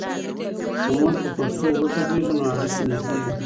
که موږ په پښتو وغږیږو، نو اړیکې نږدې وي.